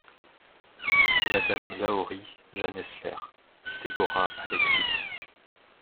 Madame lahorie JANE ESSLER. deborah ALEXIS.